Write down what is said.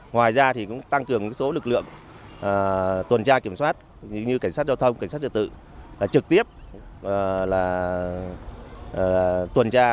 ngoài ra thì cũng tăng cường số lực lượng tuần tra kiểm soát như cảnh sát giao thông cảnh sát trật tự trực tiếp tuần tra